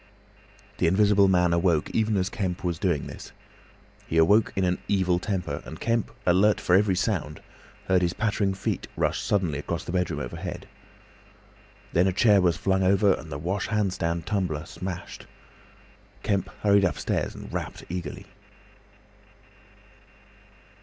The Invisible Man awoke even as Kemp was doing this. He awoke in an evil temper, and Kemp, alert for every sound, heard his pattering feet rush suddenly across the bedroom overhead. Then a chair was flung over and the wash hand stand tumbler smashed. Kemp hurried upstairs and rapped eagerly.